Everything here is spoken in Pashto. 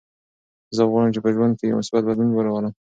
زه غواړم چې په ژوند کې یو مثبت بدلون راولم.